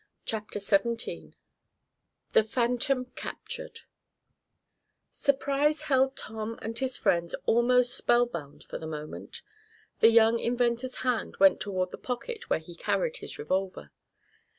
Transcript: CHAPTER XVII THE PHANTOM CAPTURED Surprise held Tom and his friends almost spellbound for the moment. The young inventor's hand went toward the pocket where he carried his revolver.